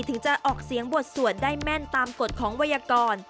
ถึงจะออกเสียงบทสวดได้แม่นตามกฎของวัยกร